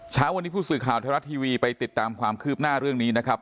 เช้าวันนี้ผู้สื่อข่าวไทยรัฐทีวีไปติดตามความคืบหน้าเรื่องนี้นะครับ